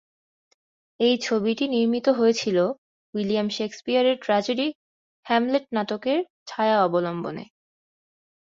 এই ছবিটি নির্মিত হয়েছিল উইলিয়াম শেকসপিয়রের ট্র্যাজেডি "হ্যামলেট" নাটকের ছায়া অবলম্বনে।